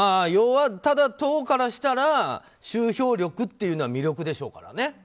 ただ、党からしたら集票力というのは魅力でしょうからね。